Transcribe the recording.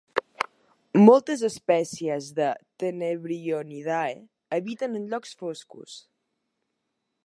Moltes espècies de Tenebrionidae habiten en llocs foscos.